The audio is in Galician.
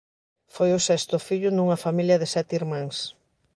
Foi o sexto fillo nunha familia de sete irmáns.